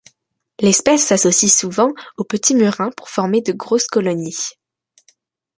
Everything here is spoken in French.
L'espèce s'associe souvent au Petit murin pour former de grosses colonies.